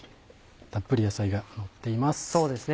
たっぷり野菜がのっています。